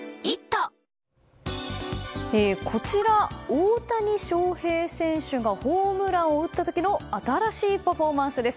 大谷翔平選手がホームランを打った時の新しいパフォーマンスです。